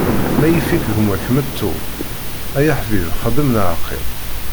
Ma yif-ik gma-k meṭṭu, ay aḥbib xdem neɣ qqim.